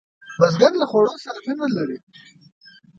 بزګر له خوړو سره مینه لري